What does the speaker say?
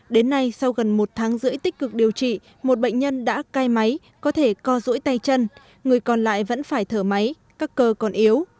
đến nay sau gần một tháng rưỡi tích cực điều trị một bệnh nhân đã cai máy có thể co rũi tay chân người còn lại vẫn phải thở máy các cơ còn yếu